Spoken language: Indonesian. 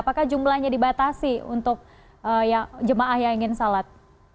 apakah jumlahnya dibatasi untuk jemaah yang ingin salat